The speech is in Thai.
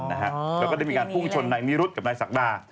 แล้วก็ได้มีการพุ่งชนนายนิรุธกับนายศักดา